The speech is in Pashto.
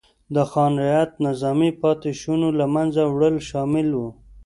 د خان رعیت نظام پاتې شونو له منځه وړل شامل و.